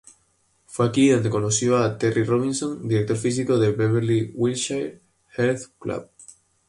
Fue aquí donde conoció a Terry Robinson, director físico del Beverly Wilshire Health Club.